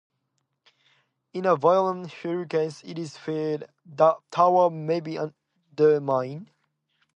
In a violent hurricane, it is feared, the tower may be undermined.